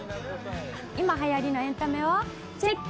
今はやりのエンタメをチェック！